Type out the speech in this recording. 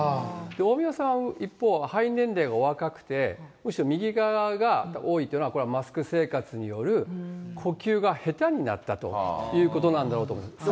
大宮さんは、一方、肺年齢はお若くて、むしろ右側が多いというのは、これはマスク生活による呼吸が下手になったということなんだろうと思います。